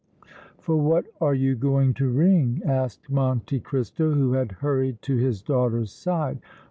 "For what are you going to ring?" asked Monte Cristo, who had hurried to his daughter's side.